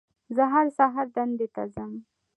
زه هر سهار دندې ته ځم